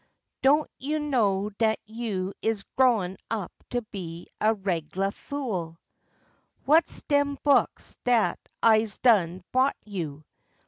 Don't you know dat you is growin' up to be a reg'lah fool? Whah's dem books dat I's done bought you?